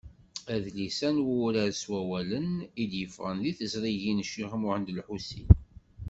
Adlis-a n wurar s wawalen, i d-yeffɣen di teẓrigin n Ccix Muḥend Ulḥusin.